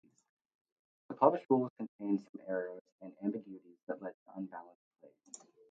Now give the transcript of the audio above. The published rules contained some errors and ambiguities that led to unbalanced play.